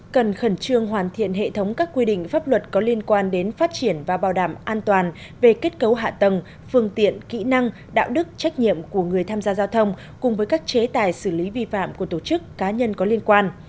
cần khẩn trương hoàn thiện hệ thống các quy định pháp luật có liên quan đến phát triển và bảo đảm an toàn về kết cấu hạ tầng phương tiện kỹ năng đạo đức trách nhiệm của người tham gia giao thông cùng với các chế tài xử lý vi phạm của tổ chức cá nhân có liên quan